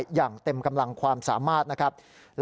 ดำเนินการดูแลข้าราชการตำรวจที่ได้รับบาดเจ็บทุกนาย